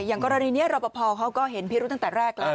อย่างกรณีนี้รอปภเขาก็เห็นพิรุธตั้งแต่แรกแล้ว